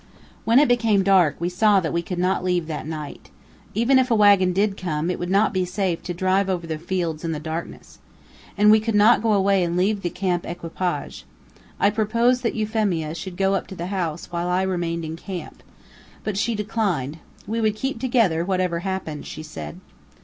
When it became dark, we saw that we could not leave that night. Even if a wagon did come, it would not be safe to drive over the fields in the darkness. And we could not go away and leave the camp equipage. I proposed that Euphemia should go up to the house, while I remained in camp. But she declined. We would keep together, whatever happened, she said.